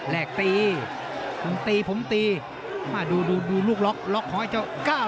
รากตีผมตีดูลูกล็อกล็อกของไอ้เจ้าก้าลบ